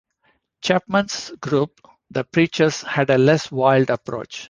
Chapman's group, The Preachers had a less wild approach.